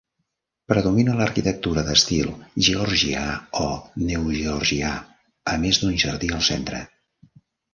Predomina l'arquitectura d'estil georgià i neogeorgià, a més d'un jardí al centre.